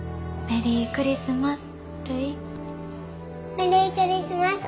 メリークリスマス。